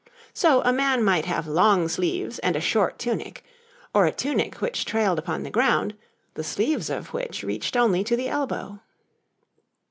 So a man might have long sleeves and a short tunic, or a tunic which trailed upon the ground, the sleeves of which reached only to the elbow.